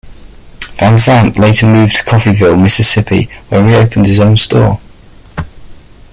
Van Zandt later moved to Coffeeville, Mississippi, where he opened his own store.